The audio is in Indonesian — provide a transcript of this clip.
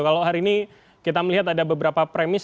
kalau hari ini kita melihat ada beberapa premis